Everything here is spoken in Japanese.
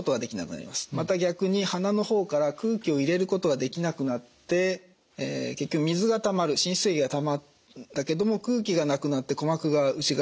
また逆に鼻の方から空気を入れることができなくなって結局水がたまる滲出液がたまったけども空気がなくなって鼓膜が内側にへこんでしまうと。